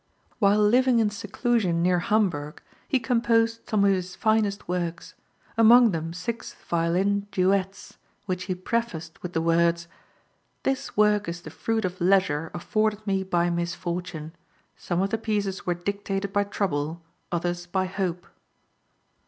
While living in seclusion near Hamburg he composed some of his finest works, among them six violin duets, which he prefaced with the words: "This work is the fruit of leisure afforded me by misfortune. Some of the pieces were dictated by trouble, others by hope."